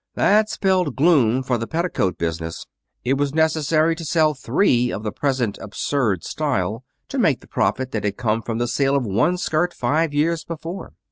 That spelled gloom for the petticoat business. It was necessary to sell three of the present absurd style to make the profit that had come from the sale of one skirt five years before.